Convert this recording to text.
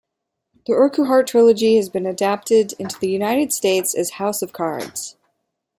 The Urquhart trilogy has been adapted in the United States as "House of Cards".